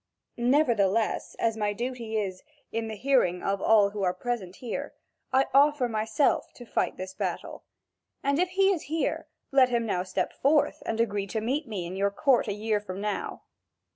Nevertheless, as my duty is, in the hearing of all who are present here, I offer myself to fight this battle. And if he is here, let him now step forth and agree to meet me in your court a year from now.